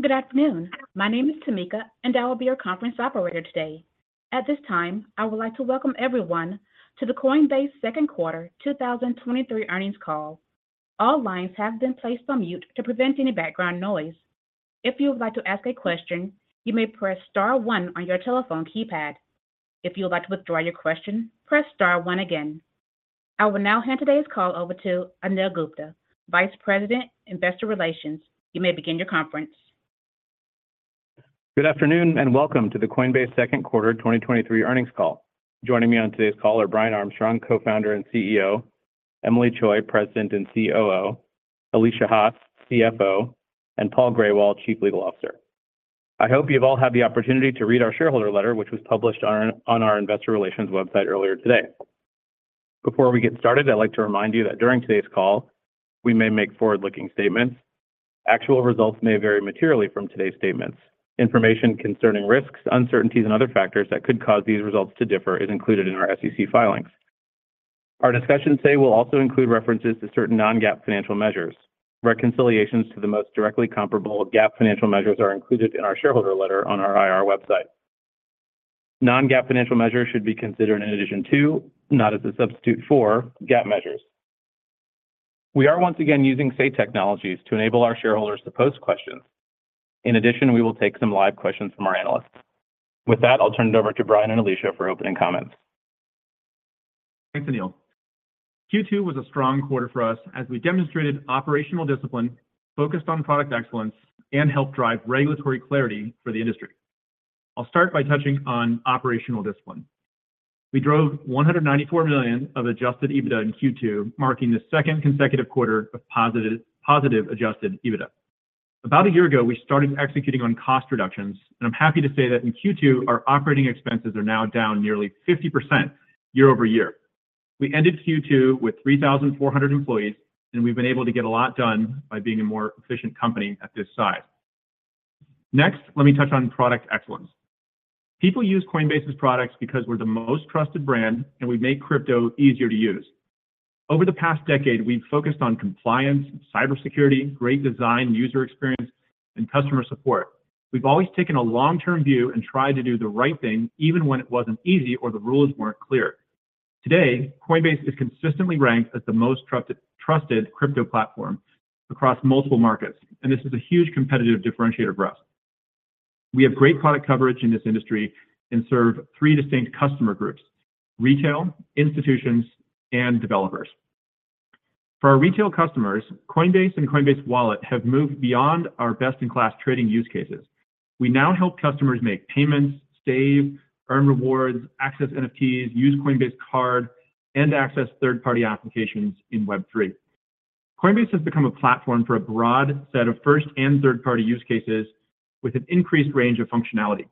Good afternoon. My name is Tamika. I will be your conference operator today. At this time, I would like to welcome everyone to the Coinbase Second Quarter 2023 Earnings Call. All lines have been placed on mute to prevent any background noise. If you would like to ask a question, you may press star one on your telephone keypad. If you would like to withdraw your question, press star one again. I will now hand today's call over to Anil Gupta, Vice President, Investor Relations. You may begin your conference. Good afternoon, and welcome to the Coinbase Second Quarter 2023 Earnings Call. Joining me on today's call are Brian Armstrong, Co-founder and CEO, Emilie Choi, President and COO, Alesia Haas, CFO, and Paul Grewal, Chief Legal Officer. I hope you've all had the opportunity to read our shareholder letter, which was published on our investor relations website earlier today. Before we get started, I'd like to remind you that during today's call, we may make forward-looking statements. Actual results may vary materially from today's statements. Information concerning risks, uncertainties, and other factors that could cause these results to differ is included in our SEC filings. Our discussion today will also include references to certain non-GAAP financial measures. Reconciliations to the most directly comparable GAAP financial measures are included in our shareholder letter on our IR website. Non-GAAP financial measures should be considered in addition to, not as a substitute for, GAAP measures. We are once again using Say Technologies to enable our shareholders to pose questions. In addition, we will take some live questions from our analysts. With that, I'll turn it over to Brian and Alesia for opening comments. Thanks, Anil. Q2 was a strong quarter for us as we demonstrated operational discipline, focused on product excellence, and helped drive regulatory clarity for the industry. I'll start by touching on operational discipline. We drove $194 million of adjusted EBITDA in Q2, marking the second consecutive quarter of positive, positive adjusted EBITDA. About a year ago, we started executing on cost reductions, and I'm happy to say that in Q2, our operating expenses are now down nearly 50% year-over-year. We ended Q2 with 3,400 employees, and we've been able to get a lot done by being a more efficient company at this size. Next, let me touch on product excellence. People use Coinbase's products because we're the most trusted brand, and we make crypto easier to use. Over the past decade, we've focused on compliance, cybersecurity, great design, user experience, and customer support. We've always taken a long-term view and tried to do the right thing, even when it wasn't easy or the rules weren't clear. Today, Coinbase is consistently ranked as the most trusted, trusted crypto platform across multiple markets, and this is a huge competitive differentiator for us. We have great product coverage in this industry and serve three distinct customer groups: retail, institutions, and developers. For our retail customers, Coinbase and Coinbase Wallet have moved beyond our best-in-class trading use cases. We now help customers make payments, save, earn rewards, access NFTs, use Coinbase Card, and access third-party applications in Web3. Coinbase has become a platform for a broad set of first- and third-party use cases with an increased range of functionality.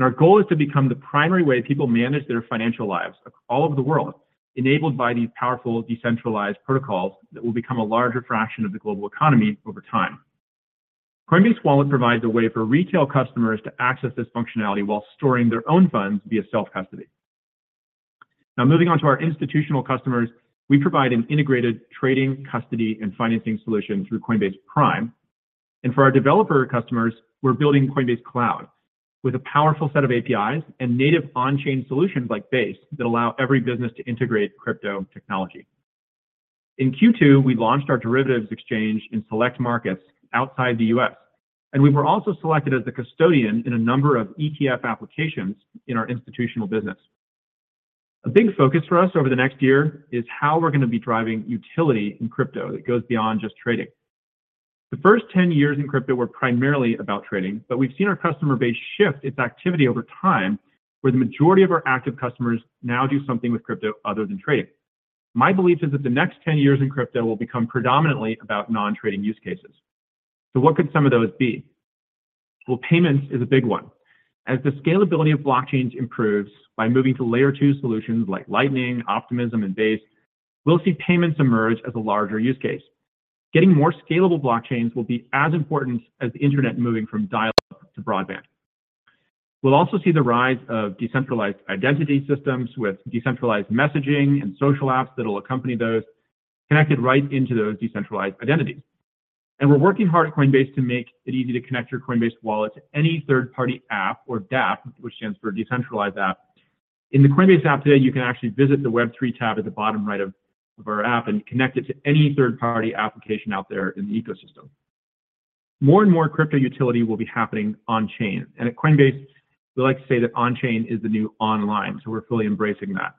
Our goal is to become the primary way people manage their financial lives all over the world, enabled by these powerful, decentralized protocols that will become a larger fraction of the global economy over time. Coinbase Wallet provides a way for retail customers to access this functionality while storing their own funds via self-custody. Moving on to our institutional customers, we provide an integrated trading, custody, and financing solution through Coinbase Prime. For our developer customers, we're building Coinbase Cloud with a powerful set of APIs and native on-chain solutions like Base that allow every business to integrate crypto technology. In Q2, we launched our derivatives exchange in select markets outside the U.S., and we were also selected as the custodian in a number of ETF applications in our institutional business. A big focus for us over the next year is how we're gonna be driving utility in crypto that goes beyond just trading. The first 10 years in crypto were primarily about trading. We've seen our customer base shift its activity over time, where the majority of our active customers now do something with crypto other than trading. My belief is that the next 10 years in crypto will become predominantly about non-trading use cases. What could some of those be? Well, payments is a big one. As the scalability of blockchains improves by moving to Layer 2 solutions like Lightning, Optimism, and Base, we'll see payments emerge as a larger use case. Getting more scalable blockchains will be as important as the internet moving from dial-up to broadband. We'll also see the rise of decentralized identity systems with decentralized messaging and social apps that will accompany those, connected right into those decentralized identities. We're working hard at Coinbase to make it easy to connect your Coinbase Wallet to any third-party app or dApp, which stands for decentralized app. In the Coinbase app today, you can actually visit the Web3 tab at the bottom right of our app and connect it to any third-party application out there in the ecosystem. More and more crypto utility will be happening on chain, and at Coinbase, we like to say that on chain is the new online, so we're fully embracing that.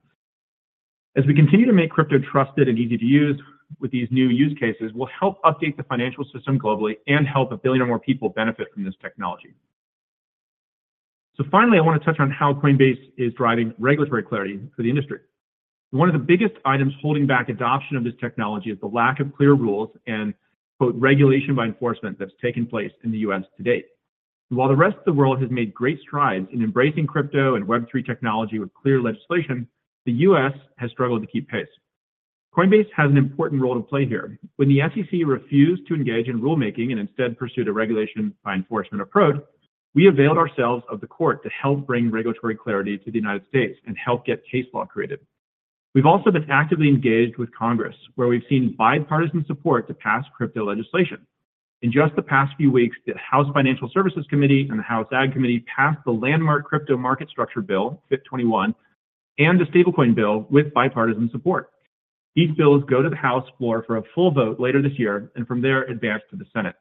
As we continue to make crypto trusted and easy to use with these new use cases, we'll help update the financial system globally and help a billion or more people benefit from this technology. Finally, I want to touch on how Coinbase is driving regulatory clarity for the industry. One of the biggest items holding back adoption of this technology is the lack of clear rules and "regulation by enforcement" that's taken place in the U.S. to date. While the rest of the world has made great strides in embracing crypto and Web3 technology with clear legislation, the U.S. has struggled to keep pace. Coinbase has an important role to play here. When the SEC refused to engage in rulemaking and instead pursued a regulation by enforcement approach, we availed ourselves of the court to help bring regulatory clarity to the United States and help get case law created. We've also been actively engaged with Congress, where we've seen bipartisan support to pass crypto legislation. In just the past few weeks, the House Financial Services Committee and the House Ag Committee passed the landmark crypto market structure bill, FIT21, and the Stablecoin Bill with bipartisan support. These bills go to the House floor for a full vote later this year, and from there, advance to the Senate.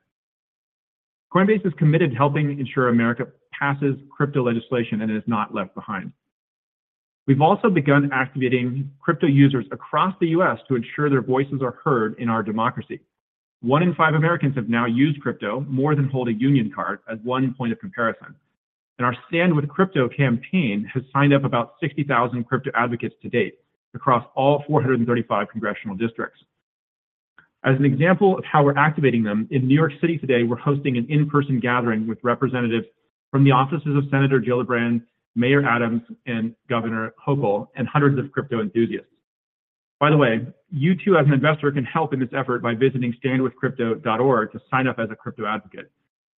Coinbase is committed to helping ensure America passes crypto legislation and is not left behind. We've also begun activating crypto users across the U.S. to ensure their voices are heard in our democracy. One in five Americans have now used crypto, more than hold a union card, as one point of comparison. Our Stand With Crypto campaign has signed up about 60,000 crypto advocates to date across all 435 congressional districts. As an example of how we're activating them, in New York City today, we're hosting an in-person gathering with representatives from the offices of Senator Gillibrand, Mayor Adams, and Governor Hochul, hundreds of crypto enthusiasts. By the way, you too, as an investor, can help in this effort by visiting standwithcrypto.org to sign up as a crypto advocate.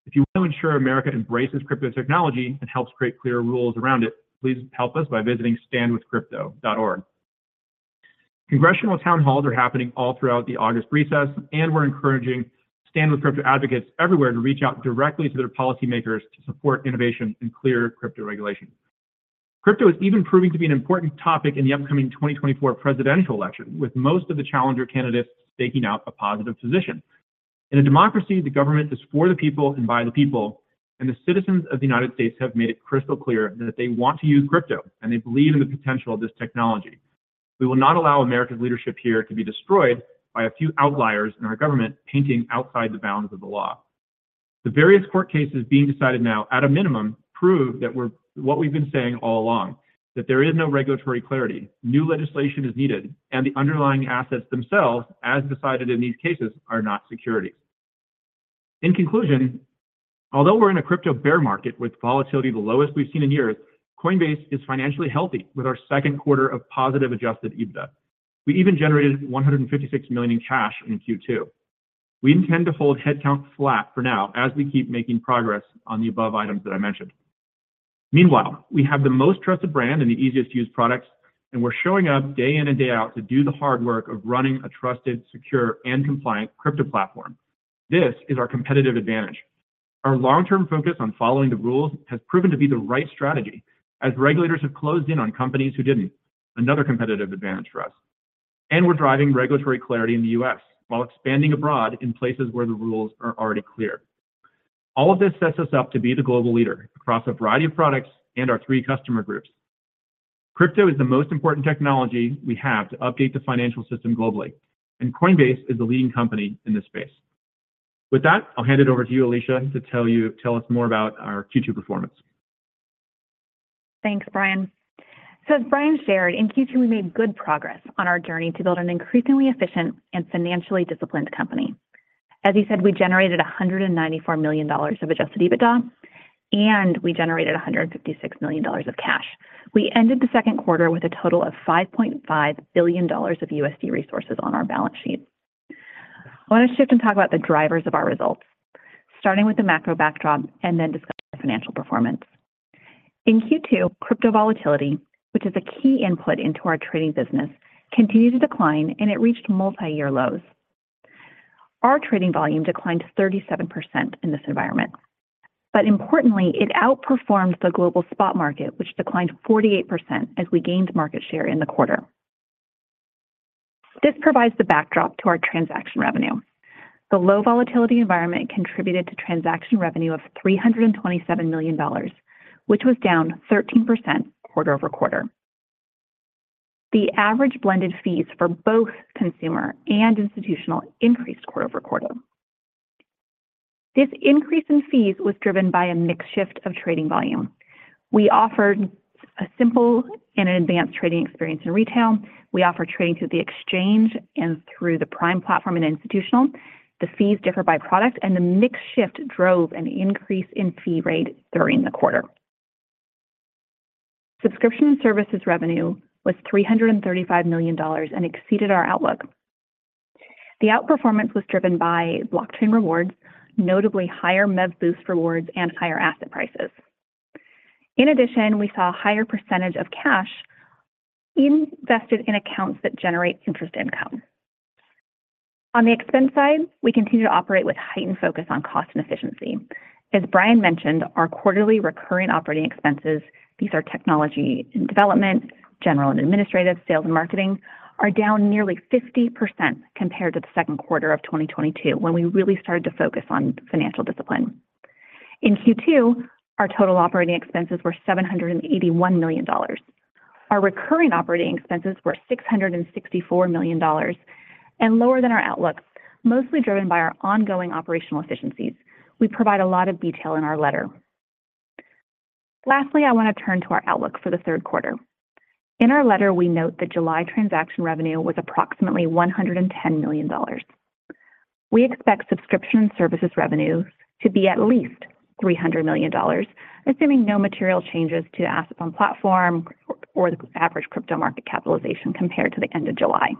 If you want to ensure America embraces crypto technology and helps create clear rules around it, please help us by visiting standwithcrypto.org. Congressional town halls are happening all throughout the August recess, we're encouraging Stand With Crypto advocates everywhere to reach out directly to their policymakers to support innovation and clear crypto regulation. Crypto is even proving to be an important topic in the upcoming 2024 presidential election, with most of the challenger candidates staking out a positive position. In a democracy, the government is for the people and by the people. The citizens of the United States have made it crystal clear that they want to use crypto, and they believe in the potential of this technology. We will not allow American leadership here to be destroyed by a few outliers in our government painting outside the bounds of the law. The various court cases being decided now, at a minimum, prove that what we've been saying all along, that there is no regulatory clarity, new legislation is needed, and the underlying assets themselves, as decided in these cases, are not securities. In conclusion, although we're in a crypto bear market with volatility, the lowest we've seen in years, Coinbase is financially healthy with our second quarter of positive adjusted EBITDA. We even generated $156 million in cash in Q2. We intend to hold headcount flat for now as we keep making progress on the above items that I mentioned. Meanwhile, we have the most trusted brand and the easiest-to-use products, and we're showing up day in and day out to do the hard work of running a trusted, secure, and compliant crypto platform. This is our competitive advantage. Our long-term focus on following the rules has proven to be the right strategy, as regulators have closed in on companies who didn't, another competitive advantage for us. We're driving regulatory clarity in the U.S. while expanding abroad in places where the rules are already clear. All of this sets us up to be the global leader across a variety of products and our three customer groups. Crypto is the most important technology we have to update the financial system globally, and Coinbase is the leading company in this space. With that, I'll hand it over to you, Alesia, to tell you, tell us more about our Q2 performance. Thanks, Brian. As Brian shared, in Q2, we made good progress on our journey to build an increasingly efficient and financially disciplined company. As he said, we generated $194 million of Adjusted EBITDA. We generated $156 million of cash. We ended the second quarter with a total of $5.5 billion of USD resources on our balance sheet. I want to shift and talk about the drivers of our results, starting with the macro backdrop and then discuss the financial performance. In Q2, crypto volatility, which is a key input into our trading business, continued to decline. It reached multi-year lows. Our trading volume declined 37% in this environment. Importantly, it outperformed the global spot market, which declined 48% as we gained market share in the quarter. This provides the backdrop to our transaction revenue. The low volatility environment contributed to transaction revenue of $327 million, which was down 13% quarter-over-quarter. The average blended fees for both consumer and institutional increased quarter-over-quarter. This increase in fees was driven by a mix shift of trading volume. We offered a simple and an advanced trading experience in retail. We offer trading through the exchange and through the Prime platform in institutional. The fees differ by product, and the mix shift drove an increase in fee rate during the quarter. Subscription and services revenue was $335 million and exceeded our outlook. The outperformance was driven by blockchain rewards, notably higher MEV-Boost rewards, and higher asset prices. In addition, we saw a higher percentage of cash invested in accounts that generate interest income. On the expense side, we continue to operate with heightened focus on cost and efficiency. As Brian mentioned, our quarterly recurring operating expenses, these are technology and development, general and administrative, sales and marketing, are down nearly 50% compared to the second quarter of 2022, when we really started to focus on financial discipline. In Q2, our total operating expenses were $781 million. Our recurring operating expenses were $664 million and lower than our outlook, mostly driven by our ongoing operational efficiencies. We provide a lot of detail in our letter. Lastly, I want to turn to our outlook for the third quarter. In our letter, we note that July transaction revenue was approximately $110 million. We expect subscription services revenue to be at least $300 million, assuming no material changes to the asset on platform or the average crypto market capitalization compared to the end of July.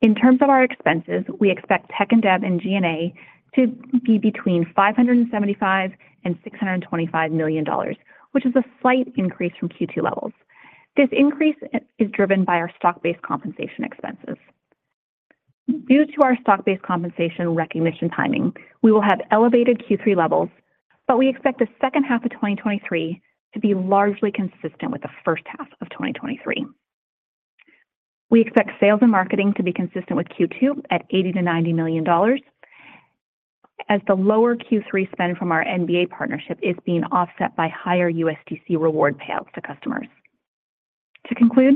In terms of our expenses, we expect tech and dev and G&A to be between $575 million and $625 million, which is a slight increase from Q2 levels. This increase is driven by our stock-based compensation expenses. Due to our stock-based compensation recognition timing, we will have elevated Q3 levels, but we expect the second half of 2023 to be largely consistent with the first half of 2023. We expect sales and marketing to be consistent with Q2 at $80 million-$90 million, as the lower Q3 spend from our NBA partnership is being offset by higher USDC reward payouts to customers. To conclude,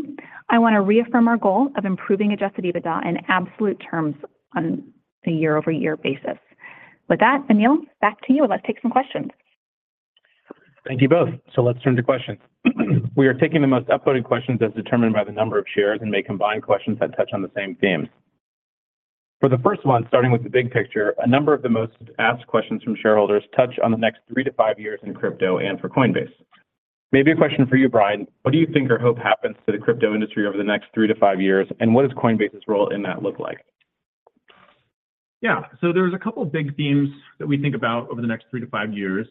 I want to reaffirm our goal of improving adjusted EBITDA in absolute terms on a year-over-year basis. With that, Anil, back to you, and let's take some questions. Thank you both. Let's turn to questions. We are taking the most upvoted questions as determined by the number of shares and may combine questions that touch on the same themes. For the first one, starting with the big picture, a number of the most asked questions from shareholders touch on the next three to five years in crypto and for Coinbase. Maybe a question for you, Brian: What do you think or hope happens to the crypto industry over the next three to five years, and what does Coinbase's role in that look like? Yeah. There's a couple of big themes that we think about over the next three to five years.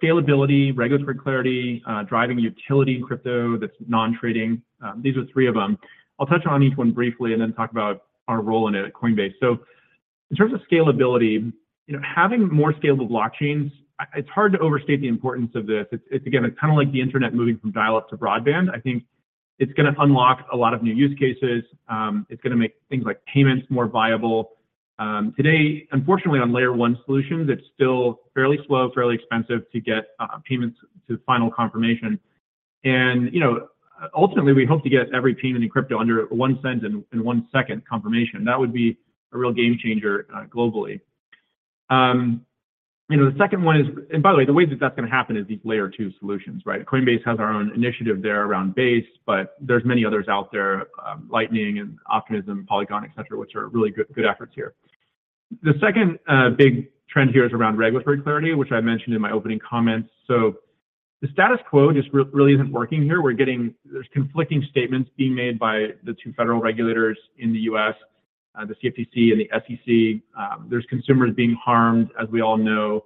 Scalability, regulatory clarity, driving utility in crypto that's non-trading. These are three of them. I'll touch on each one briefly and then talk about our role in it at Coinbase. In terms of scalability, you know, having more scalable blockchains, it's hard to overstate the importance of this. It's, it's, again, it's kinda like the internet moving from dial-up to broadband. I think it's gonna unlock a lot of new use cases. It's gonna make things like payments more viable. Today, unfortunately, on Layer 1 solutions, it's still fairly slow, fairly expensive to get payments to final confirmation. And, you know, ultimately, we hope to get every payment in crypto under $0.01 and one second confirmation. That would be a real game changer globally. You know, the second one is... By the way, the way that that's gonna happen is these Layer 2 solutions, right? Coinbase has our own initiative there around Base, but there's many others out there, Lightning and Optimism, Polygon, et cetera, which are really good, good efforts here. The second big trend here is around regulatory clarity, which I mentioned in my opening comments. The status quo just really isn't working here. There's conflicting statements being made by the two federal regulators in the U.S., the CFTC and the SEC. There's consumers being harmed, as we all know,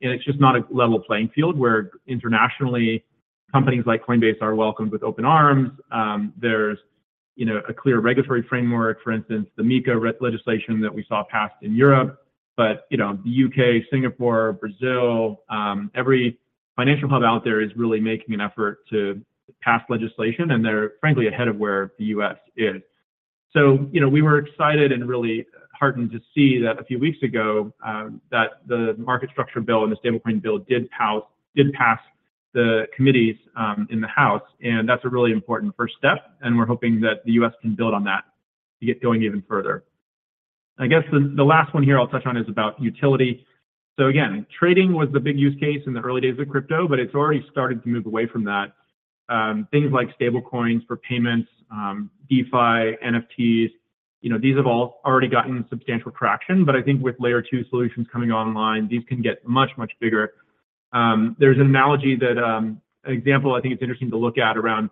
it's just not a level playing field, where internationally, companies like Coinbase are welcomed with open arms. There's, you know, a clear regulatory framework, for instance, the MiCA legislation that we saw passed in Europe. You know, the U.K., Singapore, Brazil, every financial hub out there is really making an effort to pass legislation, and they're, frankly, ahead of where the U.S. is. You know, we were excited and really heartened to see that a few weeks ago, that the market structure bill and the Stablecoin Bill did pass, did pass the committees, in the House, and that's a really important first step, and we're hoping that the U.S. can build on that to get going even further. I guess the, the last one here I'll touch on is about utility. Again, trading was the big use case in the early days of crypto, but it's already started to move away from that. Things like stablecoins for payments, DeFi, NFTs, you know, these have all already gotten substantial traction, but I think with Layer 2 solutions coming online, these can get much, much bigger. There's an analogy that, an example I think it's interesting to look at around,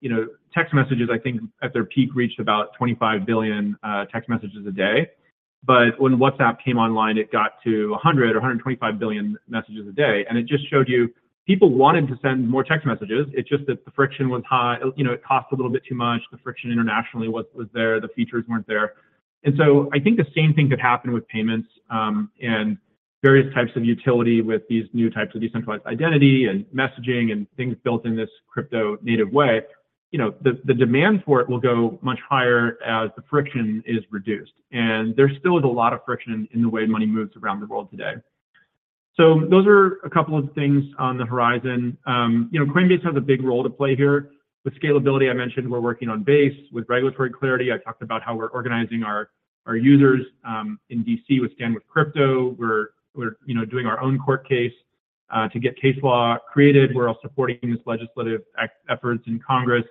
you know, text messages, I think, at their peak, reached about 25 billion text messages a day. When WhatsApp came online, it got to a 100 or 125 billion messages a day, and it just showed you people wanted to send more text messages. It's just that the friction was high. You know, it cost a little bit too much. The friction internationally was, was there, the features weren't there. I think the same thing could happen with payments, and various types of utility with these new types of decentralized identity and messaging and things built in this crypto-native way. You know, the, the demand for it will go much higher as the friction is reduced, and there still is a lot of friction in the way money moves around the world today. Those are a couple of things on the horizon. You know, Coinbase has a big role to play here. With scalability, I mentioned we're working on Base. With regulatory clarity, I talked about how we're organizing our, our users, in D.C. with Stand With Crypto. We're, we're, you know, doing our own court case to get case law created. We're also supporting these legislative act efforts in Congress.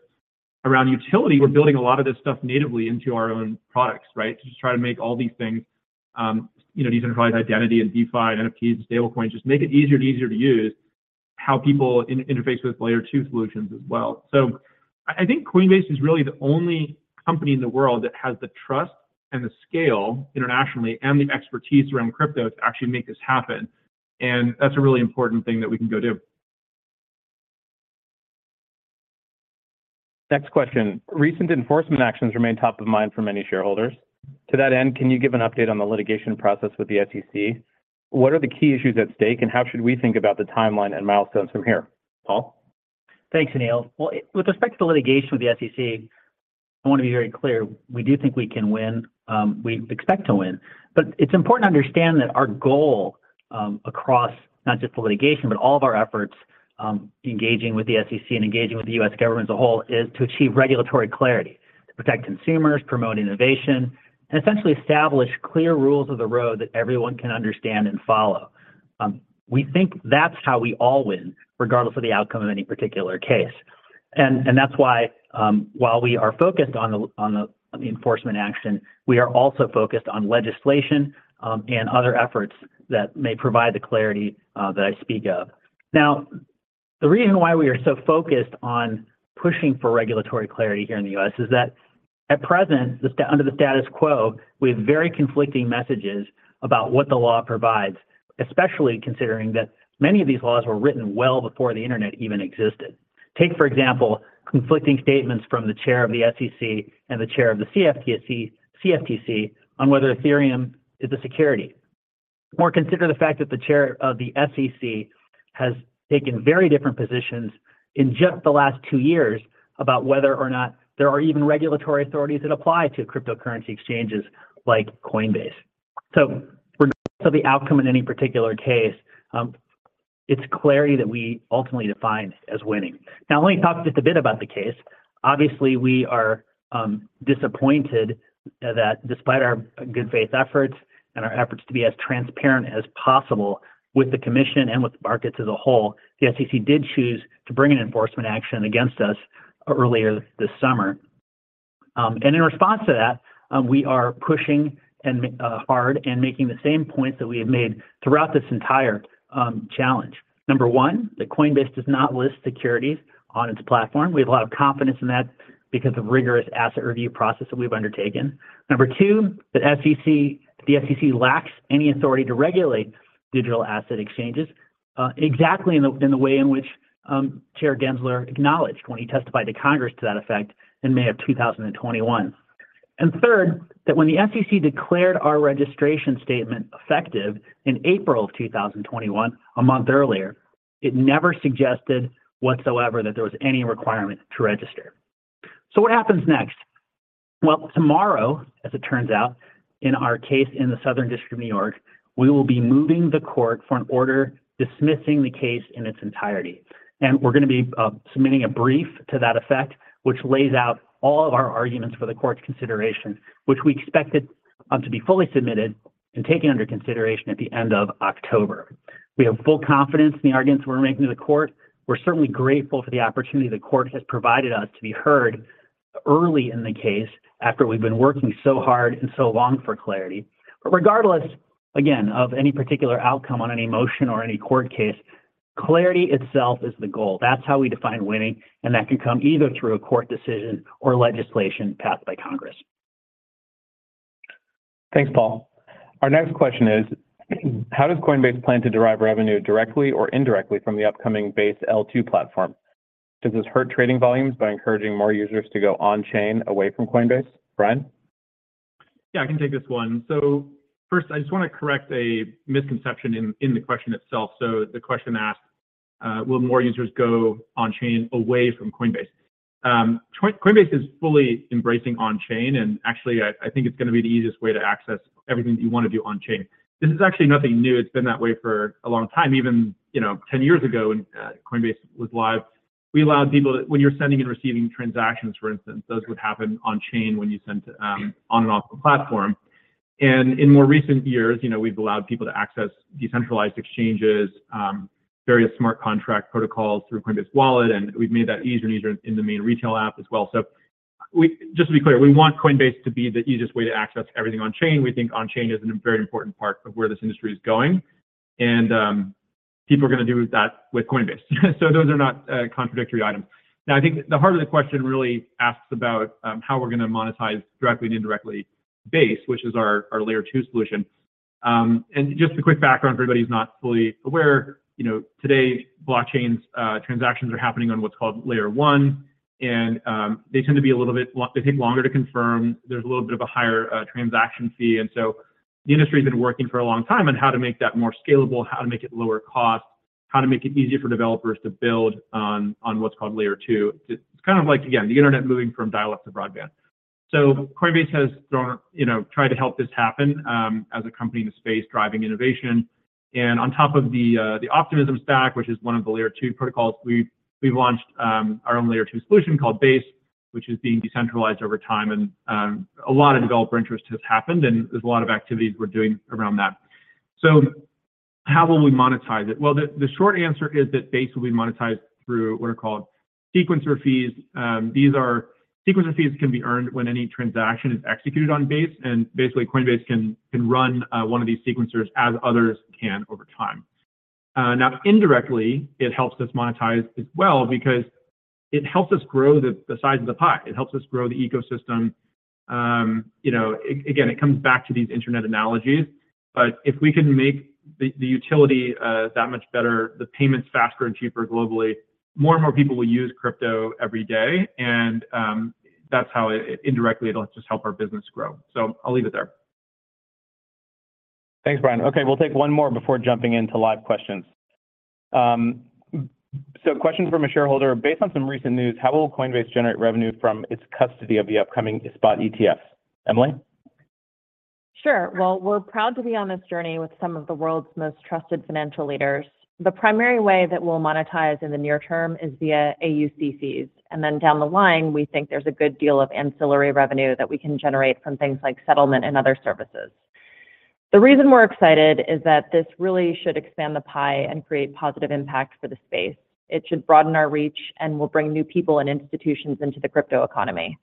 Around utility, we're building a lot of this stuff natively into our own products, right? To just try to make all these things, you know, decentralized identity and DeFi, NFTs, stablecoins, just make it easier and easier to use, how people interface with Layer 2 solutions as well. I, I think Coinbase is really the only company in the world that has the trust and the scale internationally and the expertise around crypto to actually make this happen, and that's a really important thing that we can go do. Next question. Recent enforcement actions remain top of mind for many shareholders. To that end, can you give an update on the litigation process with the SEC? What are the key issues at stake, and how should we think about the timeline and milestones from here? Paul? Thanks, Anil. Well, with respect to the litigation with the SEC, I wanna be very clear, we do think we can win, we expect to win. It's important to understand that our goal, across not just the litigation, but all of our efforts, engaging with the SEC and engaging with the U.S. government as a whole, is to achieve regulatory clarity, to protect consumers, promote innovation, and essentially establish clear rules of the road that everyone can understand and follow. We think that's how we all win, regardless of the outcome of any particular case. That's why, while we are focused on the, on the, on the enforcement action, we are also focused on legislation, and other efforts that may provide the clarity that I speak of. Now, The reason why we are so focused on pushing for regulatory clarity here in the U.S. is that at present, under the status quo, we have very conflicting messages about what the law provides, especially considering that many of these laws were written well before the internet even existed. Take, for example, conflicting statements from the chair of the SEC and the chair of the CFTC on whether Ethereum is a security. Or consider the fact that the chair of the SEC has taken very different positions in just the last two years about whether or not there are even regulatory authorities that apply to cryptocurrency exchanges like Coinbase. Regardless of the outcome in any particular case, it's clarity that we ultimately define as winning. Let me talk just a bit about the case. Obviously, we are disappointed that despite our good faith efforts and our efforts to be as transparent as possible with the commission and with the market as a whole, the SEC did choose to bring an enforcement action against us earlier this summer. In response to that, we are pushing hard and making the same points that we have made throughout this entire challenge. Number 1, that Coinbase does not list securities on its platform. We have a lot of confidence in that because of rigorous asset review process that we've undertaken. Number two, that SEC, the SEC lacks any authority to regulate digital asset exchanges, exactly in the way in which Chair Gensler acknowledged when he testified to Congress to that effect in May of 2021. Third, that when the SEC declared our registration statement effective in April of 2021, a month earlier, it never suggested whatsoever that there was any requirement to register. What happens next? Tomorrow, as it turns out, in our case, in the Southern District of New York, we will be moving the court for an order dismissing the case in its entirety. We're gonna be submitting a brief to that effect, which lays out all of our arguments for the court's consideration, which we expected to be fully submitted and taken under consideration at the end of October. We have full confidence in the arguments we're making to the court. We're certainly grateful for the opportunity the court has provided us to be heard early in the case, after we've been working so hard and so long for clarity. Regardless, again, of any particular outcome on any motion or any court case, clarity itself is the goal. That's how we define winning, and that can come either through a court decision or legislation passed by Congress. Thanks, Paul. Our next question is: how does Coinbase plan to derive revenue directly or indirectly from the upcoming Base L2 platform? Does this hurt trading volumes by encouraging more users to go on chain away from Coinbase? Brian? Yeah, I can take this one. First, I just wanna correct a misconception in, in the question itself. The question asked, will more users go on-chain away from Coinbase? Coinbase is fully embracing on-chain, and actually, I, I think it's gonna be the easiest way to access everything that you wanna do on-chain. This is actually nothing new. It's been that way for a long time, even, you know, 10 years ago, when Coinbase was live. We allowed people. When you're sending and receiving transactions, for instance, those would happen on-chain when you send on and off the platform. In more recent years, you know, we've allowed people to access decentralized exchanges, various smart contract protocols through Coinbase Wallet, and we've made that easier and easier in the main retail app as well. Just to be clear, we want Coinbase to be the easiest way to access everything on chain. We think on chain is a very important part of where this industry is going, and people are gonna do that with Coinbase. Those are not contradictory items. Now, I think the heart of the question really asks about how we're gonna monetize directly and indirectly Base, which is our, our Layer 2 solution. Just a quick background, for everybody who's not fully aware, you know, today, blockchains, transactions are happening on what's called Layer 1, and they tend to be a little bit, they take longer to confirm. There's a little bit of a higher transaction fee. The industry has been working for a long time on how to make that more scalable, how to make it lower cost, how to make it easier for developers to build on, on what's called Layer 2. It's kind of like, again, the internet moving from dial-up to broadband. Coinbase has thrown, you know, tried to help this happen as a company in the space, driving innovation. On top of the, the Optimism stack, which is one of the Layer 2 protocols, we've, we've launched our own Layer 2 solution called Base, which is being decentralized over time. A lot of developer interest has happened, and there's a lot of activities we're doing around that. How will we monetize it? Well, the, the short answer is that Base will be monetized through what are called sequencer fees. These are sequencer fees can be earned when any transaction is executed on Base, basically, Coinbase can, can run one of these sequencers, as others can over time. Now, indirectly, it helps us monetize as well because it helps us grow the, the size of the pie. It helps us grow the ecosystem. You know, again, it comes back to these internet analogies, but if we can make the, the utility that much better, the payments faster and cheaper globally, more and more people will use crypto every day, and that's how it, indirectly, it'll just help our business grow. I'll leave it there. Thanks, Brian. Okay, we'll take 1 more before jumping into live questions. Question from a shareholder: Based on some recent news, how will Coinbase generate revenue from its custody of the upcoming spot ETFs? Emilie? Sure. Well, we're proud to be on this journey with some of the world's most trusted financial leaders. The primary way that we'll monetize in the near term is via AUCs, and then down the line, we think there's a good deal of ancillary revenue that we can generate from things like settlement and other services. The reason we're excited is that this really should expand the pie and create positive impact for the space. It should broaden our reach and will bring new people and institutions into the crypto economy.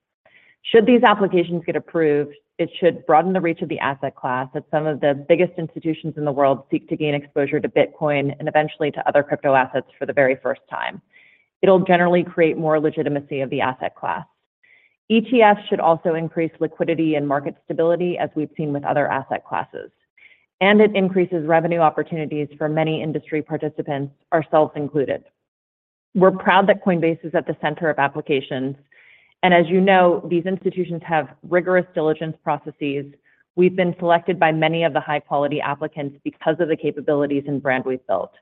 Should these applications get approved, it should broaden the reach of the asset class, as some of the biggest institutions in the world seek to gain exposure to Bitcoin and eventually to other crypto assets for the very first time. It'll generally create more legitimacy of the asset class. ETFs should also increase liquidity and market stability, as we've seen with other asset classes, and it increases revenue opportunities for many industry participants, ourselves included. We're proud that Coinbase is at the center of applications, and as you know, these institutions have rigorous diligence processes. We've been selected by many of the high-quality applicants because of the capabilities and brand we've built.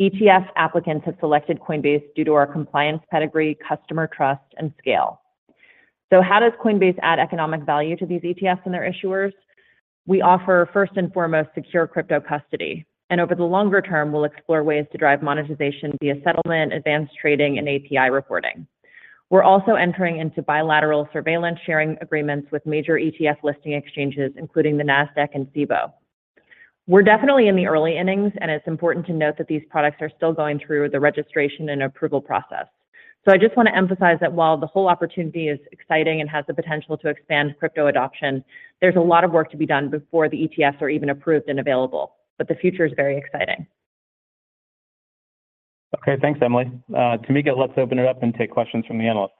ETF applicants have selected Coinbase due to our compliance pedigree, customer trust, and scale. How does Coinbase add economic value to these ETFs and their issuers? We offer, first and foremost, secure crypto custody, and over the longer term, we'll explore ways to drive monetization via settlement, advanced trading, and API reporting. We're also entering into bilateral surveillance sharing agreements with major ETF listing exchanges, including the Nasdaq and Cboe. We're definitely in the early innings, and it's important to note that these products are still going through the registration and approval process. I just want to emphasize that while the whole opportunity is exciting and has the potential to expand crypto adoption, there's a lot of work to be done before the ETFs are even approved and available. The future is very exciting. Okay, thanks, Emilie. Tamika, let's open it up and take questions from the analysts.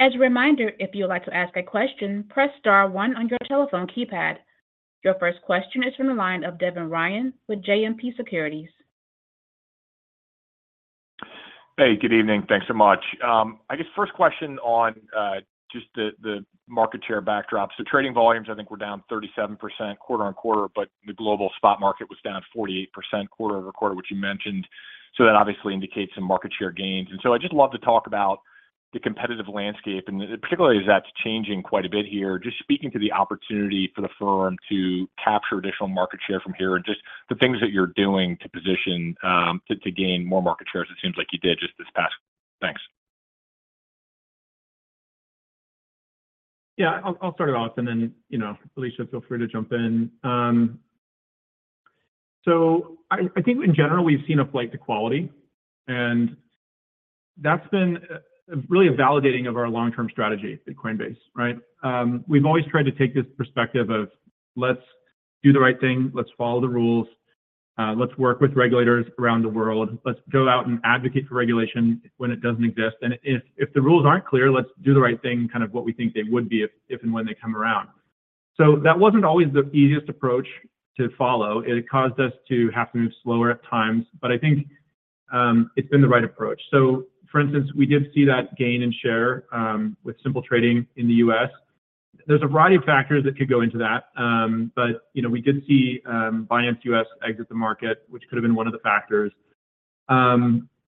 As a reminder, if you would like to ask a question, press star one on your telephone keypad. Your first question is from the line of Devin Ryan with JMP Securities. Hey, good evening. Thanks so much. I guess first question on just the market share backdrop. Trading volumes, I think, were down 37% quarter-on-quarter, but the global spot market was down 48% quarter-over-quarter, which you mentioned. That obviously indicates some market share gains. I'd just love to talk about the competitive landscape, and particularly as that's changing quite a bit here, just speaking to the opportunity for the firm to capture additional market share from here and just the things that you're doing to position to gain more market shares, it seems like you did just this past. Thanks. Yeah, I'll start it off, and then, you know, Alesia, feel free to jump in. I think in general, we've seen a flight to quality, and that's been really a validating of our long-term strategy at Coinbase, right? We've always tried to take this perspective of, let's do the right thing, let's follow the rules, let's work with regulators around the world, let's go out and advocate for regulation when it doesn't exist. If the rules aren't clear, let's do the right thing, kind of what we think they would be if, and when they come around. That wasn't always the easiest approach to follow. It caused us to have to move slower at times, but I think it's been the right approach. For instance, we did see that gain and share with simple trading in the U.S. There's a variety of factors that could go into that, but, you know, we did see Binance.US exit the market, which could have been one of the factors.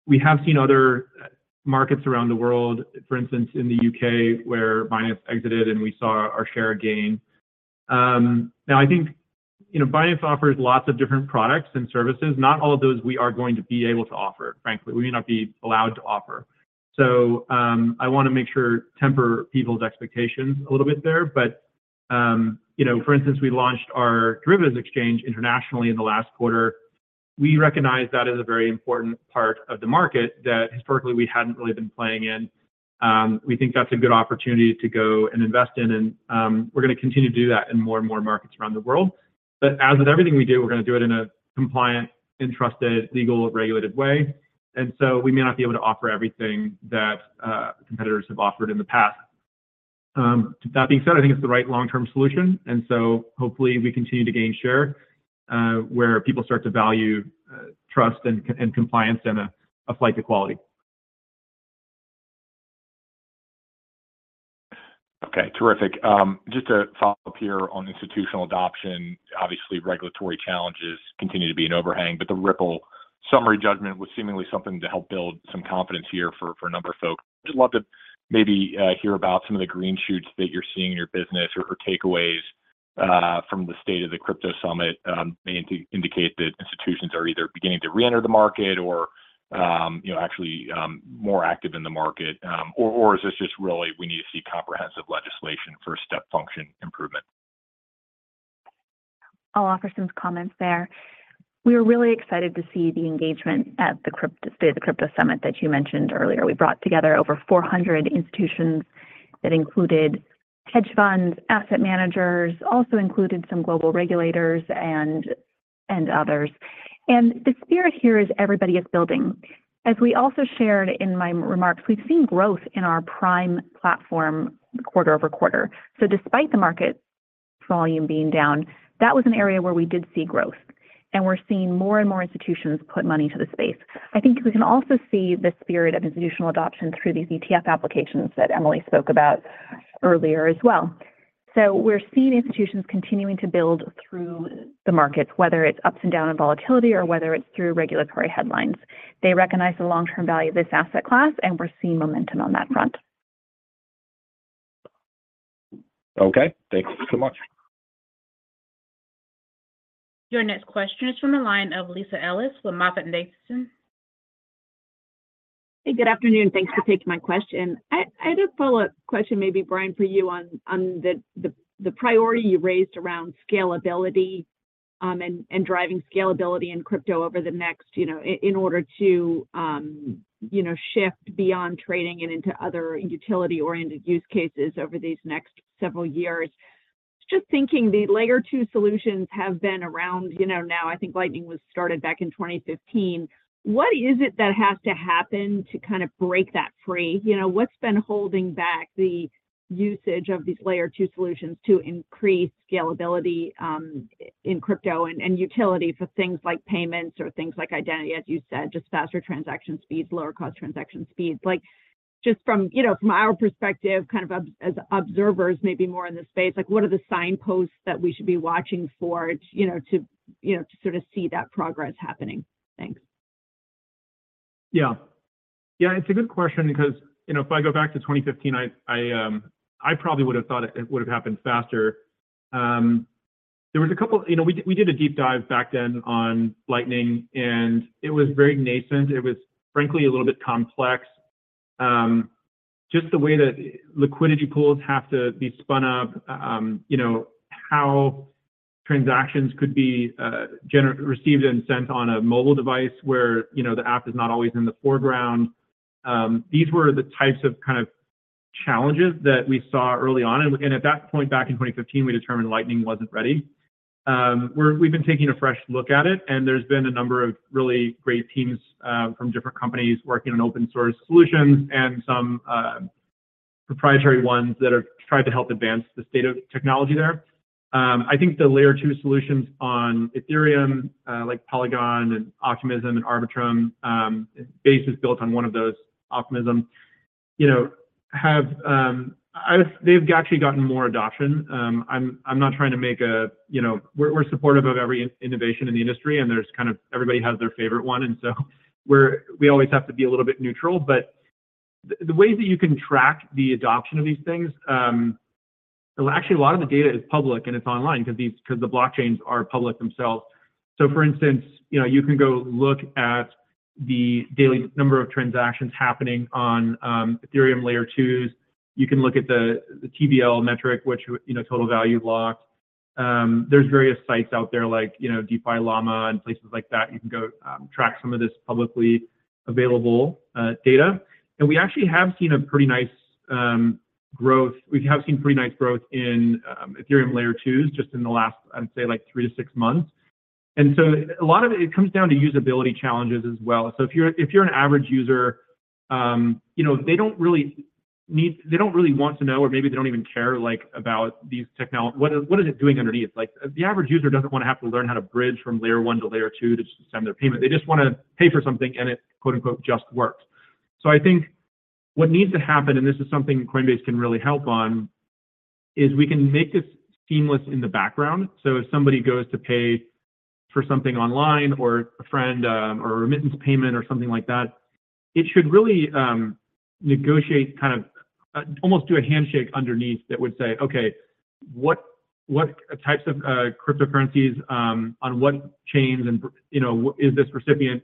We have seen other markets around the world, for instance, in the U.K., where Binance exited, and we saw our share gain. Now, I think, you know, Binance offers lots of different products and services. Not all of those we are going to be able to offer, frankly, we may not be allowed to offer. I wanna make sure temper people's expectations a little bit there. You know, for instance, we launched our derivatives exchange internationally in the last quarter. We recognize that is a very important part of the market that historically we hadn't really been playing in. We think that's a good opportunity to go and invest in, and, we're gonna continue to do that in more and more markets around the world. As with everything we do, we're gonna do it in a compliant and trusted, legal, regulated way. So we may not be able to offer everything that competitors have offered in the past. That being said, I think it's the right long-term solution, and so hopefully, we continue to gain share, where people start to value, trust and, and compliance and a flight to quality. Okay, terrific. Just to follow up here on institutional adoption, obviously, regulatory challenges continue to be an overhang, but the Ripple summary judgment was seemingly something to help build some confidence here for a number of folks. I'd love to maybe hear about some of the green shoots that you're seeing in your business or, or takeaways from the State of Crypto Summit, may indicate that institutions are either beginning to reenter the market or, you know, actually, more active in the market or is this just really we need to see comprehensive legislation for a step function improvement? I'll offer some comments there. We're really excited to see the engagement at the State of Crypto Summit that you mentioned earlier. We brought together over 400 institutions that included hedge funds, asset managers, also included some global regulators and, and others. The spirit here is everybody is building. As we also shared in my remarks, we've seen growth in our Prime platform quarter-over-quarter. Despite the market volume being down, that was an area where we did see growth, and we're seeing more and more institutions put money into the space. I think we can also see the spirit of institutional adoption through these ETF applications that Emilie spoke about earlier as well. We're seeing institutions continuing to build through the markets, whether it's ups and down in volatility or whether it's through regulatory headlines. They recognize the long-term value of this asset class, and we're seeing momentum on that front. Okay, thanks so much. Your next question is from the line of Lisa Ellis with MoffettNathanson. Hey, good afternoon. Thanks for taking my question. I, I had a follow-up question, maybe, Brian, for you on, on the, the, the priority you raised around scalability, and, and driving scalability in crypto over the next, you know, in order to, you know, shift beyond trading and into other utility-oriented use cases over these next several years. Just thinking the Layer 2 solutions have been around, you know, now, I think Lightning Network was started back in 2015. What is it that has to happen to kind of break that free? You know, what's been holding back the usage of these Layer 2 solutions to increase scalability in crypto and, and utility for things like payments or things like identity, as you said, just faster transaction speeds, lower cost transaction speeds? Like, just from, you know, from our perspective, kind of as observers, maybe more in this space, like, what are the signposts that we should be watching for to, you know, to, sort of see that progress happening? Thanks. Yeah. Yeah, it's a good question because, you know, if I go back to 2015, I probably would have thought it, it would have happened faster. There was a couple. You know, we did a deep dive back then on Lightning, and it was very nascent. It was, frankly, a little bit complex. Just the way that liquidity pools have to be spun up, you know, how transactions could be received and sent on a mobile device where, you know, the app is not always in the foreground. These were the types of kind of challenges that we saw early on, and at that point, back in 2015, we determined Lightning wasn't ready. We've been taking a fresh look at it, and there's been a number of really great teams from different companies working on open source solutions and some proprietary ones that are trying to help advance the state of technology there. I think the Layer 2 solutions on Ethereum, like Polygon and Optimism and Arbitrum, Base, is built on one of those, Optimism. You know, have, they've actually gotten more adoption. I'm, I'm not trying to make a, you know. We're, we're supportive of every innovation in the industry, and there's kind of everybody has their favorite one, and so we always have to be a little bit neutral, but the, the ways that you can track the adoption of these things. Well, actually, a lot of the data is public, and it's online because the blockchains are public themselves. For instance, you know, you can go look at the daily number of transactions happening on Ethereum Layer 2s. You can look at the TVL metric, which, you know, total value locked. There's various sites out there like, you know, DefiLlama and places like that. You can go track some of this publicly available data. We actually have seen a pretty nice growth. We have seen pretty nice growth in Ethereum Layer 2s just in the last, I'd say, like, three to six months. So a lot of it, it comes down to usability challenges as well. If you're, if you're an average user, you know, they don't really need, they don't really want to know, or maybe they don't even care, like, about these techno... What is, what is it doing underneath? Like, the average user doesn't want to have to learn how to bridge from Layer 1 to Layer 2 just to send their payment. They just wanna pay for something, and it, quote-unquote, "just works." I think what needs to happen, and this is something Coinbase can really help on, is we can make this seamless in the background. If somebody goes to pay for something online or a friend, or a remittance payment or something like that, it should really negotiate, almost do a handshake underneath that would say, "Okay, what types of cryptocurrencies on what chains and, you know, is this recipient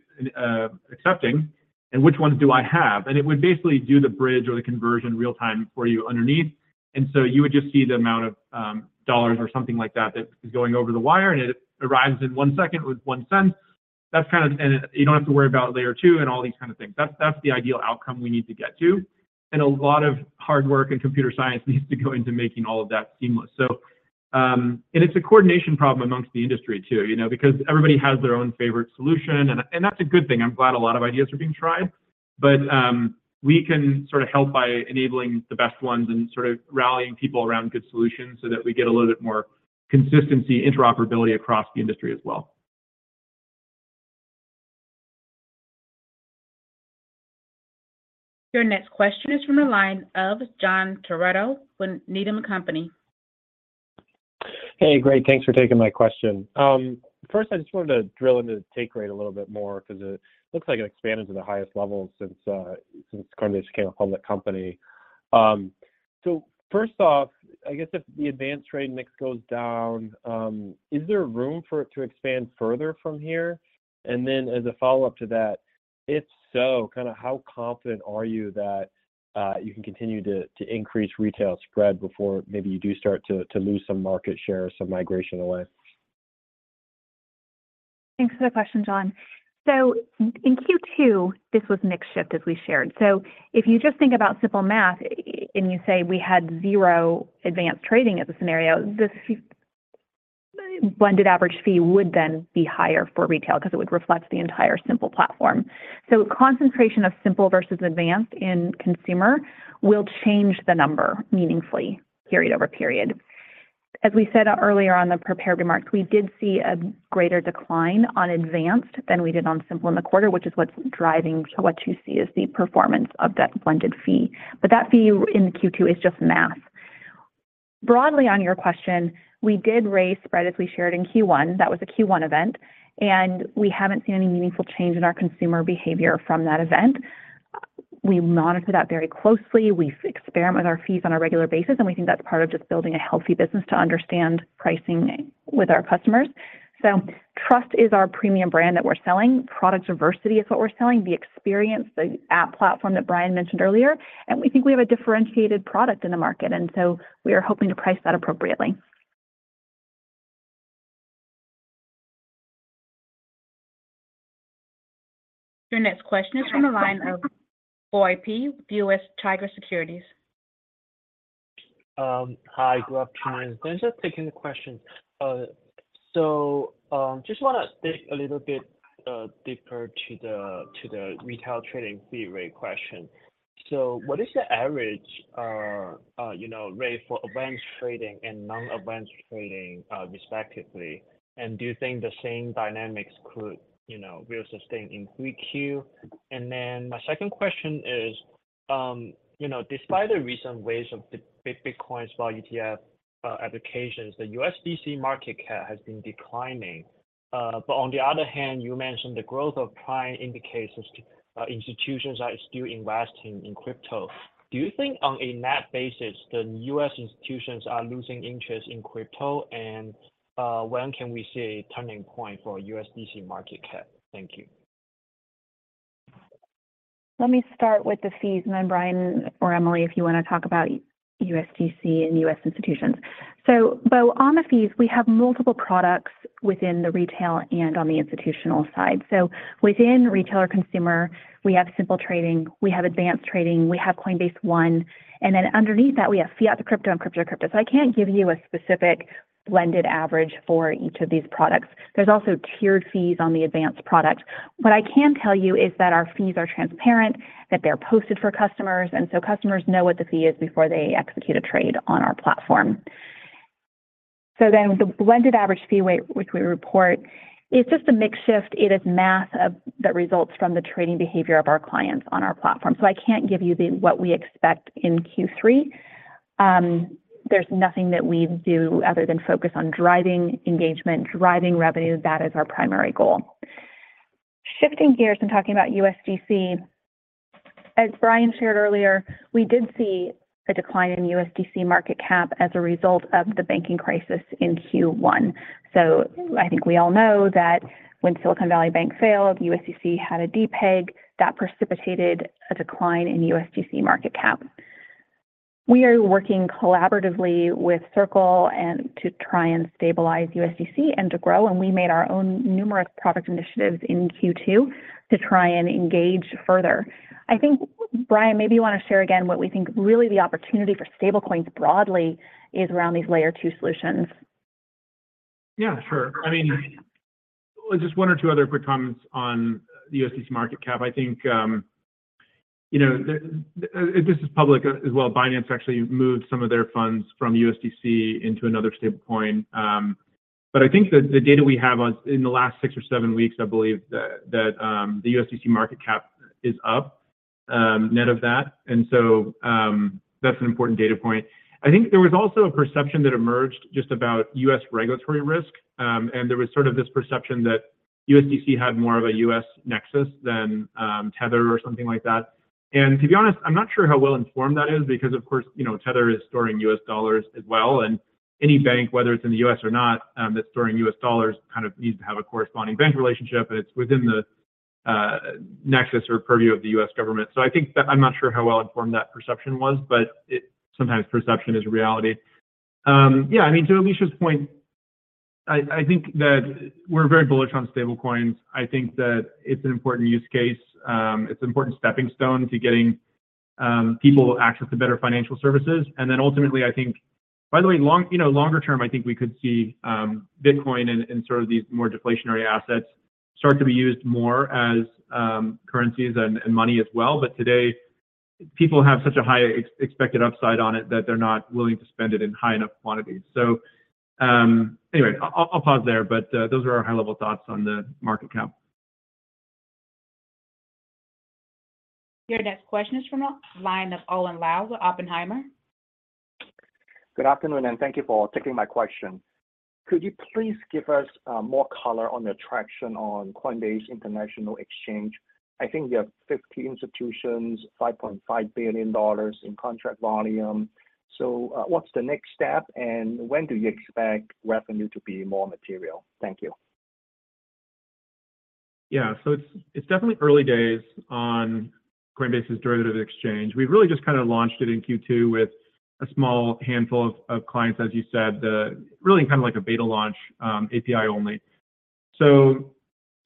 accepting, and which ones do I have?" It would basically do the bridge or the conversion real time for you underneath, and so you would just see the amount of dollars or something like that, that is going over the wire, and it arrives in one second with $0.01. That's kind of. You don't have to worry about Layer 2 and all these kind of things. That's, that's the ideal outcome we need to get to, and a lot of hard work and computer science needs to go into making all of that seamless. And it's a coordination problem amongst the industry too, you know, because everybody has their own favorite solution, and, and that's a good thing. I'm glad a lot of ideas are being tried. We can sort of help by enabling the best ones and sort of rallying people around good solutions so that we get a little bit more consistency, interoperability across the industry as well. Your next question is from the line of John Todaro with Needham & Company. Hey, great. Thanks for taking my question. First, I just wanted to drill into the take rate a little bit more because it looks like it expanded to the highest level since since Coinbase became a public company. First off, I guess if the advanced trade mix goes down, is there room for it to expand further from here? Then as a follow-up to that, if so, kinda how confident are you that you can continue to, to increase retail spread before maybe you do start to, to lose some market share or some migration away? Thanks for the question, John. In Q2, this was mix shift, as we shared. If you just think about simple math and you say we had zero advanced trading as a scenario, this blended average fee would then be higher for retail because it would reflect the entire simple platform. Concentration of simple versus advanced in consumer will change the number meaningfully, period over period. As we said earlier on the prepared remarks, we did see a greater decline on advanced than we did on simple in the quarter, which is what's driving to what you see as the performance of that blended fee. That fee in Q2 is just math. Broadly, on your question, we did raise spread, as we shared in Q1. That was a Q1 event, and we haven't seen any meaningful change in our consumer behavior from that event. We monitor that very closely. We experiment with our fees on a regular basis, and we think that's part of just building a healthy business to understand pricing with our customers. Trust is our premium brand that we're selling. Product diversity is what we're selling, the experience, the app platform that Brian mentioned earlier, and we think we have a differentiated product in the market, and so we are hoping to price that appropriately. Your next question is from the line of Bo Pei, US Tiger Securities. Hi, good afternoon. Thanks for taking the question. Just wanna dig a little bit deeper to the, to the retail trading fee rate question. What is the average, you know, rate for advanced trading and non-advanced trading, respectively? Do you think the same dynamics could, you know, will sustain in Q3? My second question is, you know, despite the recent waves of Bitcoin spot ETF applications, the USDC market cap has been declining. On the other hand, you mentioned the growth of Coinbase Prime indicates that institutions are still investing in crypto. Do you think on a net basis, the U.S. institutions are losing interest in crypto, and when can we see a turning point for USDC market cap? Thank you. Let me start with the fees, then Brian or Emilie, if you wanna talk about USDC and U.S. institutions. Bo, on the fees, we have multiple products within the retail and on the institutional side. Within retail or consumer, we have simple trading, we have advanced trading, we have Coinbase One, then underneath that, we have fiat to crypto and crypto to crypto. I can't give you a specific blended average for each of these products. There's also tiered fees on the advanced product. What I can tell you is that our fees are transparent, that they're posted for customers, so customers know what the fee is before they execute a trade on our platform. Then, the blended average fee rate, which we report, is just a mix shift. It is math of, that results from the trading behavior of our clients on our platform. I can't give you the, what we expect in Q3. There's nothing that we do other than focus on driving engagement, driving revenue, that is our primary goal. Shifting gears and talking about USDC, as Brian shared earlier, we did see a decline in USDC market cap as a result of the banking crisis in Q1. I think we all know that when Silicon Valley Bank failed, USDC had a de-peg. That precipitated a decline in USDC market cap. We are working collaboratively with Circle and to try and stabilize USDC and to grow, and we made our own numerous product initiatives in Q2 to try and engage further. I think, Brian, maybe you wanna share again what we think really the opportunity for stable coins broadly is around these Layer 2 solutions. Yeah, sure. I mean, just one or two other quick comments on the USDC market cap. I think, you know, the... This is public as well. Binance actually moved some of their funds from USDC into another stablecoin, but I think the data we have on, in the last six or seven weeks, I believe, that the USDC market cap is up, net of that, and so, that's an important data point. I think there was also a perception that emerged just about U.S. regulatory risk, and there was sort of this perception that USDC had more of a U.S. nexus than Tether or something like that. To be honest, I'm not sure how well-informed that is, because, of course, you know, Tether is storing U.S. dollars as well, and any bank, whether it's in the U.S. or not, that's storing U.S. dollars, kind of needs to have a corresponding bank relationship, and it's within the nexus or purview of the U.S. government. I think that I'm not sure how well-informed that perception was, but sometimes perception is reality. Yeah, I mean, to Alesia's point, I think that we're very bullish on stablecoins. I think that it's an important use case. It's an important stepping stone to getting people access to better financial services. Then ultimately, I think... By the way, long, you know, longer term, I think we could see, Bitcoin and, and sort of these more deflationary assets start to be used more as, currencies and, and money as well. Today, people have such a high ex- expected upside on it that they're not willing to spend it in high enough quantities. Anyway, I'll pause there, but, those are our high-level thoughts on the market cap. Your next question is from the line of Owen Lau with Oppenheimer. Good afternoon, and thank you for taking my question. Could you please give us more color on the traction on Coinbase International Exchange? I think you have 50 institutions, $5.5 billion in contract volume. What's the next step, and when do you expect revenue to be more material? Thank you. Yeah, it's, it's definitely early days on Coinbase's derivative exchange. We've really just kind of launched it in Q2 with a small handful of, of clients, as you said, the really kind of like a beta launch, API only.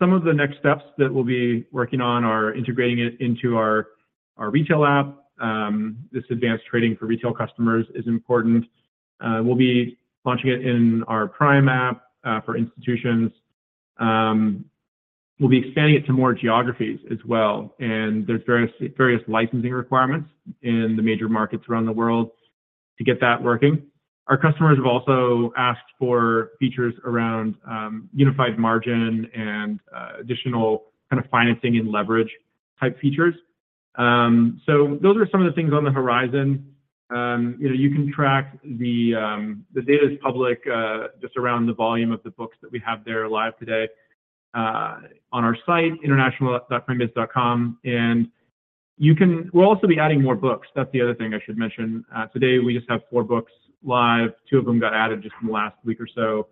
Some of the next steps that we'll be working on are integrating it into our, our retail app. This advanced trading for retail customers is important. We'll be launching it in our Prime app for institutions. We'll be expanding it to more geographies as well, there's various, various licensing requirements in the major markets around the world to get that working. Our customers have also asked for features around unified margin and additional kind of financing and leverage type features. Those are some of the things on the horizon. You know, you can track the... The data is public, just around the volume of the books that we have there live today, on our site, international.coinbase.com. We'll also be adding more books. That's the other thing I should mention. Today, we just have four books live. Two of them got added just in the last week or so.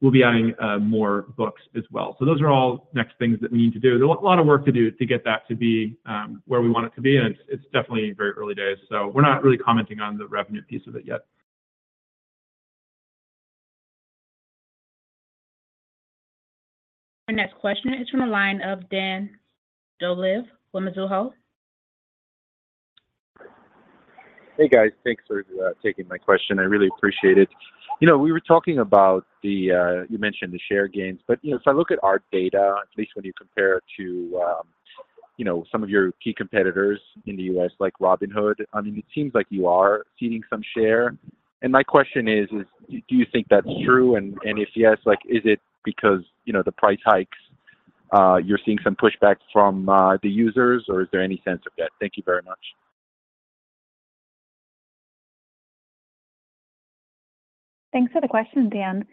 We'll be adding more books as well. Those are all next things that we need to do. There's a lot of work to do to get that to be where we want it to be, and it's, it's definitely very early days, so we're not really commenting on the revenue piece of it yet. Our next question is from the line of Dan Dolev with Mizuho. Hey, guys. Thanks for taking my question. I really appreciate it. You know, we were talking about the, you mentioned the share gains, but, you know, if I look at our data, at least when you compare to, you know, some of your key competitors in the U.S., like Robinhood, I mean, it seems like you are ceding some share. My question is, is do you think that's true? And if yes, like, is it because, you know, the price hikes, you're seeing some pushback from the users, or is there any sense of that? Thank you very much. Thanks for the question, Dan.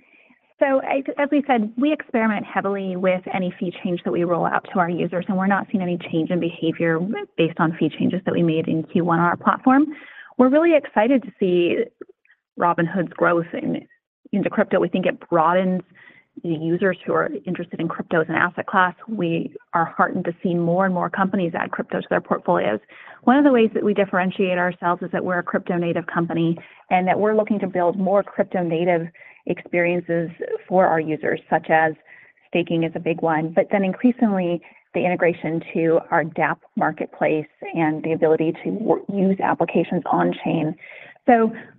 As, as we said, we experiment heavily with any fee change that we roll out to our users, and we're not seeing any change in behavior based on fee changes that we made in Q1 on our platform. We're really excited to see Robinhood's growth in, into crypto. We think it broadens the users who are interested in crypto as an asset class. We are heartened to see more and more companies add crypto to their portfolios. One of the ways that we differentiate ourselves is that we're a crypto-native company, and that we're looking to build more crypto-native experiences for our users, such as staking is a big one, but then increasingly, the integration to our dApp marketplace and the ability to use applications on chain.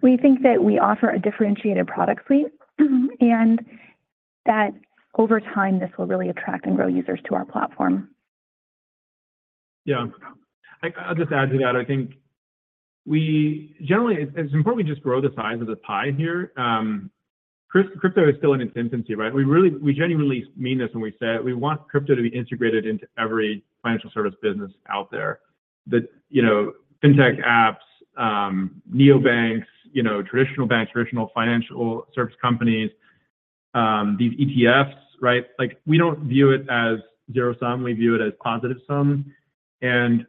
We think that we offer a differentiated product suite, and that over time, this will really attract and grow users to our platform. Yeah. I'll just add to that. I think we generally, it, it's important we just grow the size of the pie here. Crypto is still in its infancy, right? We really, we genuinely mean this when we say it. We want crypto to be integrated into every financial service business out there that, you know, fintech apps, neobanks, you know, traditional banks, traditional financial service companies, these ETFs, right? We don't view it as zero-sum. We view it as positive-sum, and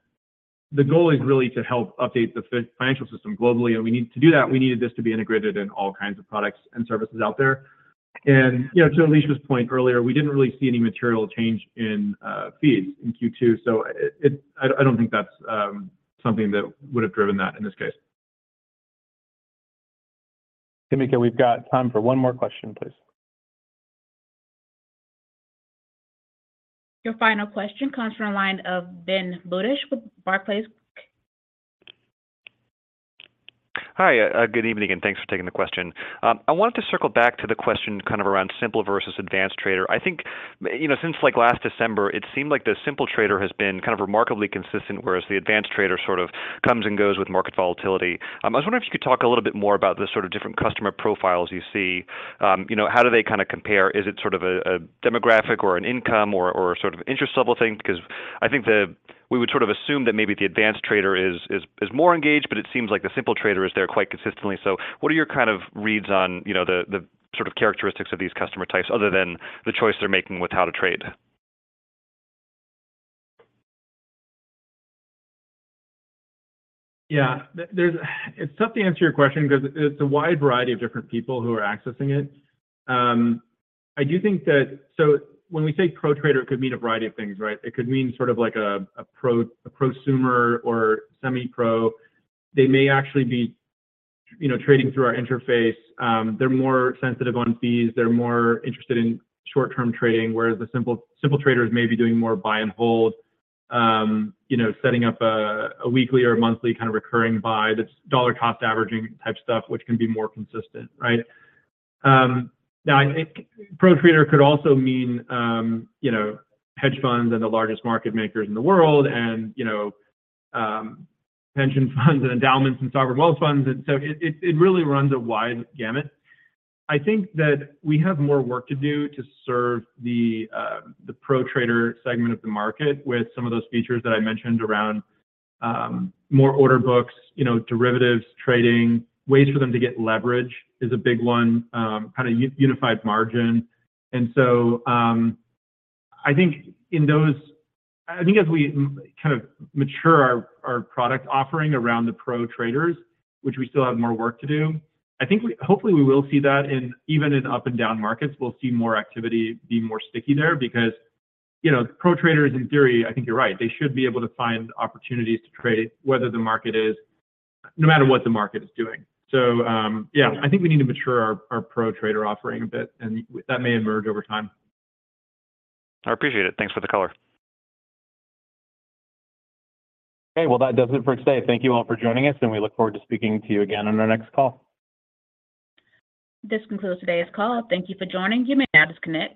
the goal is really to help update the financial system globally, and we need to do that. We needed this to be integrated in all kinds of products and services out there. You know, to Alesia's point earlier, we didn't really see any material change in fees in Q2, so it, I don't think that's something that would have driven that in this case. Tamika, we've got time for one more question, please. Your final question comes from the line of Ben Budish with Barclays. Hi, good evening, thanks for taking the question. I wanted to circle back to the question kind of around simple versus advanced trader. I think, you know, since like last December, it seemed like the simple trader has been kind of remarkably consistent, whereas the advanced trader sort of comes and goes with market volatility. I was wondering if you could talk a little bit more about the sort of different customer profiles you see. You know, how do they kind of compare? Is it sort of a, a demographic or an income or, or sort of interest level thing? I think we would sort of assume that maybe the advanced trader is, is, is more engaged, but it seems like the simple trader is there quite consistently. What are your kind of reads on, you know, the, the sort of characteristics of these customer types, other than the choice they're making with how to trade? Yeah. There, there's... It's tough to answer your question because it's a wide variety of different people who are accessing it. I do think that. When we say pro trader, it could mean a variety of things, right? It could mean sort of like a prosumer or semi-pro. They may actually be, you know, trading through our interface. They're more sensitive on fees. They're more interested in short-term trading, whereas the simple, simple traders may be doing more buy and hold, you know, setting up a weekly or monthly kind of recurring buy, that's dollar cost averaging type stuff, which can be more consistent, right? Now, I think pro trader could also mean, you know, hedge funds and the largest market makers in the world and, you know, pension funds and endowments and sovereign wealth funds, and so, it really runs a wide gamut. I think that we have more work to do to serve the pro trader segment of the market with some of those features that I mentioned around more order books, you know, derivatives trading. Ways for them to get leverage is a big one, kind of unified margin. I think in those, I think as we kind of mature our, our product offering around the pro traders, which we still have more work to do, I think I hopefully we will see that in, even in up and down markets, we'll see more activity be more sticky there. Because, you know, pro traders, in theory, I think you're right, they should be able to find opportunities to trade whether the market is, no matter what the market is doing. Yeah, I think we need to mature our, our pro trader offering a bit, and that may emerge over time. I appreciate it. Thanks for the color. Okay, well, that does it for today. Thank you all for joining us, and we look forward to speaking to you again on our next call. This concludes today's call. Thank you for joining. You may now disconnect.